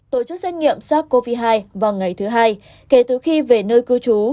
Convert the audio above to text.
tổ chức xét nghiệm sars cov hai vào ngày thứ hai kể từ khi về nơi cư trú